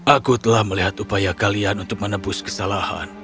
aku telah melihat upaya kalian untuk menebus kesalahan